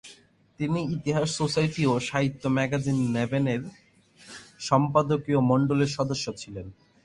তিনি ইতিহাস সোসাইটি ও সাহিত্য ম্যাগাজিন নেভেন-এর সম্পাদকীয় মন্ডলীর সদস্য ছিলেন।